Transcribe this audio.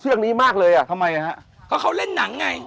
ชื่องนี้ชื่องนี้ชื่องนี้ชื่องนี้ชื่องนี้ชื่องนี้ชื่องนี้